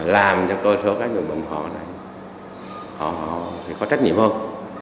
làm cho cơ sở các nhân vật bệnh họ này họ thì có trách nhiệm hơn